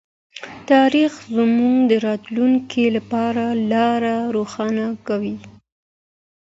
تاریخ زموږ د راتلونکي لپاره لاره روښانه کوي.